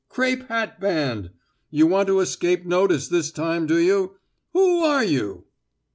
Crape hatband! You want to escape notice this time, do you? Who are you?"